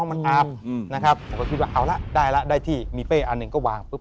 มันอาบนะครับผมก็คิดว่าเอาละได้แล้วได้ที่มีเป้อันหนึ่งก็วางปุ๊